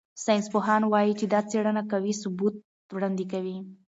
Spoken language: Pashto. ساینسپوهان وايي چې دا څېړنه قوي ثبوت وړاندې کوي.